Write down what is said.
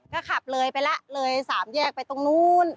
ก็ขับเลยไปแล้วเลยสามแยกไปตรงนู้น